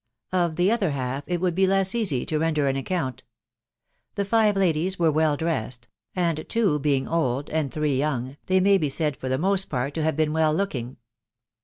Of the other half it would be less easy to render an account. The five ladies were weft dressed ; and, two being old, and three young, they may be said for the most part to have been well Isoking.